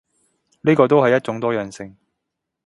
呢個都係一種多樣性